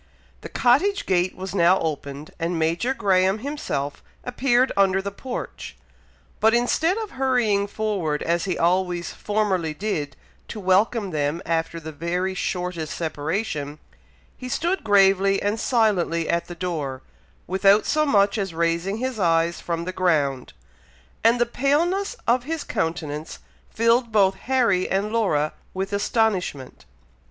The cottage gate was now opened, and Major Graham himself appeared under the porch; but instead of hurrying forward, as he always formerly did, to welcome them after the very shortest separation, he stood gravely and silently at the door, without so much as raising his eyes from the ground; and the paleness of his countenance filled both Harry and Laura with astonishment.